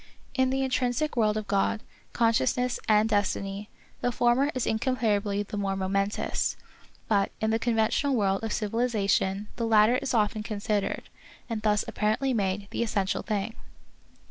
In the intrinsic world of God, conscious ness and destiny, the former is incomparably the more momentous ; but in the conventional world of civiliza tion the latter is often considered, and thus apparently made, the essential thing.